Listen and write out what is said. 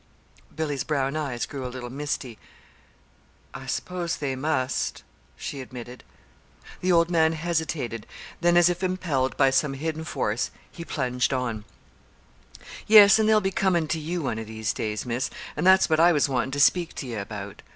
Billy's brown eyes grew a little misty. "I suppose they must," she admitted. The old man hesitated; then, as if impelled by some hidden force, he plunged on: "Yes; and they'll be comin' to you one of these days, Miss, and that's what I was wantin' to speak to ye about.